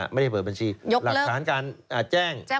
ไม่ได้เปิดบัญชีหลักฐานการแจ้ง